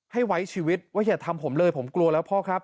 ให้ไว้ชีวิตว่าอย่าทำผมเลยผมกลัวแล้วพ่อครับ